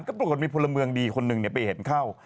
ก็ปรากฏมีพลเมืองดีคนหนึ่งไปเห็นเข้า